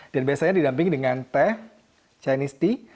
dan biasanya didampingi dengan teh chinese tea